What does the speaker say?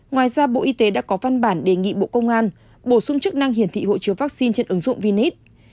ngoài ra bộ y tế đã có văn bản đề nghị bộ công an bổ sung chức năng hiển thị hộ chiếu vaccine trên ứng dụng vinis